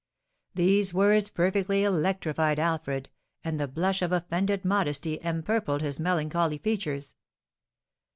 These words perfectly electrified Alfred, and the blush of offended modesty empurpled his melancholy features.